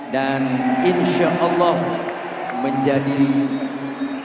dan insya allah menjadi pemenang